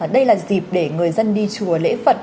đây là dịp để người dân đi chùa lễ phật